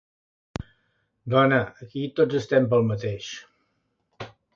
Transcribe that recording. Dona, aquí tots estem pel mateix.